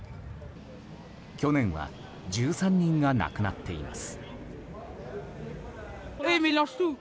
去年は１３人が亡くなっています。